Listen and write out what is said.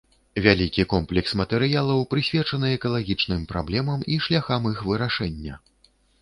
Вялікі комплекс матэрыялаў прысвечаны экалагічным праблемам і шляхам іх вырашэння.